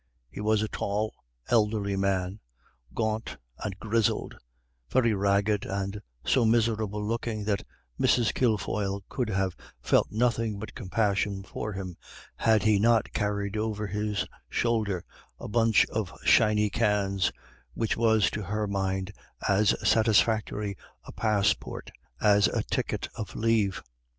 He was a tall, elderly man, gaunt and grizzled, very ragged, and so miserable looking that Mrs. Kilfoyle could have felt nothing but compassion for him had he not carried over his shoulder a bunch of shiny cans, which was to her mind as satisfactory a passport as a ticket of leave.